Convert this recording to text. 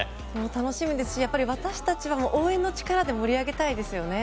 楽しみですし私たちは応援の力で盛り上げたいですね。